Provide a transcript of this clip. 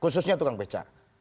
khususnya tukang beca